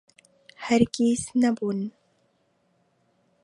هەرگیز نەبوون.